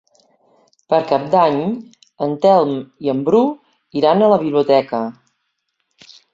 Per Cap d'Any en Telm i en Bru iran a la biblioteca.